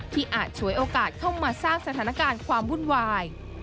อาจฉวยโอกาสเข้ามาสร้างสถานการณ์ความวุ่นวาย